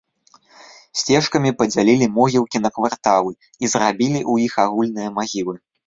Сцежкамі падзялілі могілкі на кварталы і зрабілі ў іх агульныя магілы.